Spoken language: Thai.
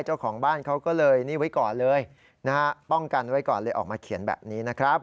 เจ้าของบ้านเขาก็เลยนี่ไว้ก่อนเลยนะฮะป้องกันไว้ก่อนเลยออกมาเขียนแบบนี้นะครับ